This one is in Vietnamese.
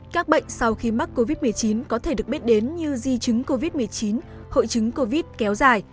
các bệnh sau khi mắc covid một mươi chín có thể được biết đến như di chứng covid một mươi chín hội chứng covid kéo dài